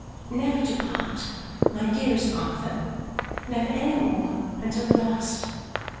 'Never to part, my dearest Arthur; never any more, until the last!